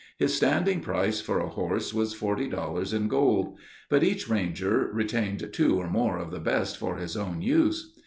His standing price for a horse was forty dollars in gold. But each Ranger retained two or more of the best for his own use.